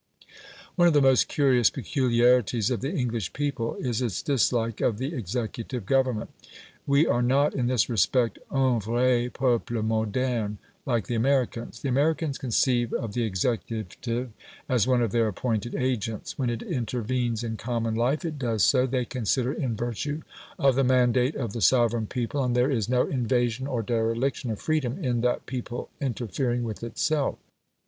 One of the most curious peculiarities of the English people is its dislike of the executive government. We are not in this respect "un vrai peuple moderne," like the Americans. The Americans conceive of the executive as one of their appointed agents; when it intervenes in common life, it does so, they consider, in virtue of the mandate of the sovereign people, and there is no invasion or dereliction of freedom in that people interfering with itself.